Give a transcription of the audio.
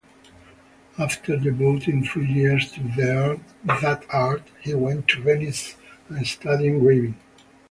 After devoting three years to that art, he went to Venice and studied engraving.